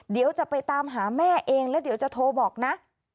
เดี๋ยวจะไปตามหาแม่เองแล้วเดี๋ยวจะโทรบอกนะ